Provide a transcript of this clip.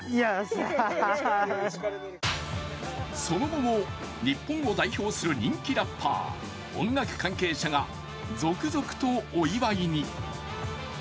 その後も日本を代表する人気ラッパー音楽関係者が続々とお祝いに。